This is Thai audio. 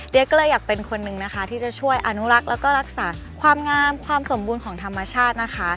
ก็เลยอยากเป็นคนนึงนะคะที่จะช่วยอนุรักษ์แล้วก็รักษาความงามความสมบูรณ์ของธรรมชาตินะคะ